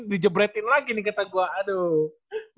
dijebretin lagi nih kata gua aduh